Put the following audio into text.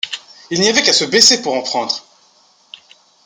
Il n’y avait qu’à se baisser pour en prendre!